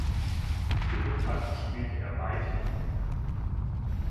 Die Rückhand spielte er beidhändig.